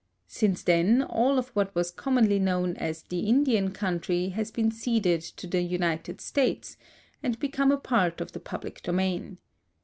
Since then all of what was commonly known as the Indian country has l)een ceded to the United States and become a part of the public domain.